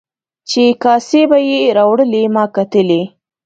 چې کاسې به یې راوړلې ما کتلې.